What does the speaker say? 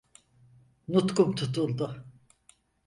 Nutkum tutuldu.